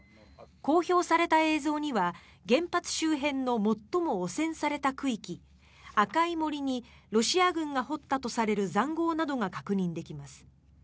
公表された映像には原発周辺の最も汚染された区域赤い森にロシア軍が掘ったとされる塹壕などが確認できます。